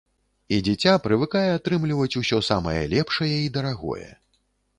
І дзіця прывыкае атрымліваць усё самае лепшае і дарагое.